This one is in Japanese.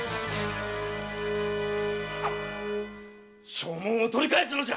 証文を取り返すのだ！